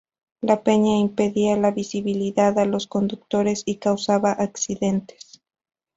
La peña impedía la visibilidad a los conductores y causaba accidentes.